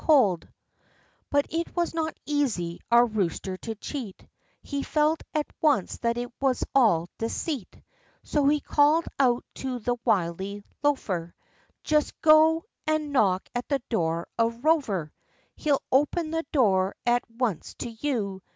64 THE LIFE AND ADVENTURES But it was not easy our rooster to cheat: He felt at once that it was all deceit; So he called out to the wily loafer, "Just go and knock at the door of Rover; He'll open the door at once to you."